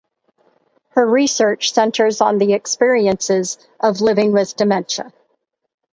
Her research centres on the experiences of living with dementia.